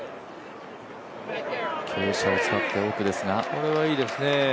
これはいいですね。